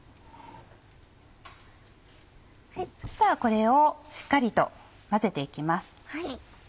そしたらこれをしっかりと混ぜて行きます。